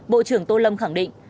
bộ trưởng tô lâm khẳng định